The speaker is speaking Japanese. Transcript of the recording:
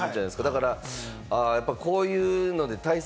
だから、こういうので対策